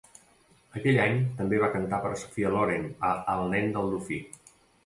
Aquell any, també va cantar per a Sophia Loren a "El nen del dofí".